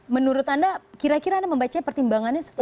menurut anda kira kira anda membacanya pertimbangannya seperti apa